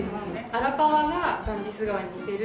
荒川がガンジス川に似てるとか。